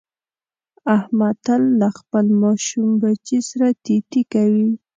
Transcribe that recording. احمد تل له خپل ماشوم بچي سره تی تی کوي.